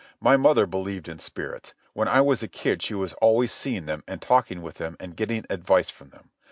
"My mother believed in spirits. When I was a kid she was always seeing them and talking with them and getting advice from them.